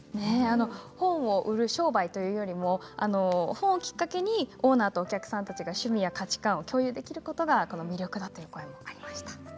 本を売る商売というよりも本をきっかけにオーナーとお客さんたちが趣味や価値観を共有できることが魅力だという声もありました。